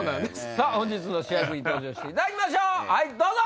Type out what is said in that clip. さぁ本日の主役に登場していただきますどうぞ！